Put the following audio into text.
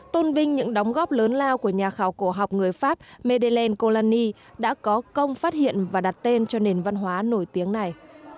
tôn vinh những đóng góp lớn lao của nhà khảo cổ học người pháp meddelan kolani đã có công phát hiện và đặt tên cho nền văn hóa nổi tiếng này